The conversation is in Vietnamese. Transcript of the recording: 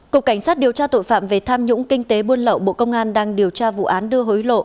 cục cảnh sát điều tra tội phạm về tham nhũng kinh tế buôn lậu bộ công an đang điều tra vụ án đưa hối lộ